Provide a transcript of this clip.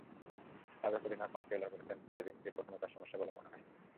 সাবেক অধিনায়ক Mark Taylor বলেছেন, স্লেজিংটাকে কখনোই তাঁর সমস্যা বলে মনে হয়নি।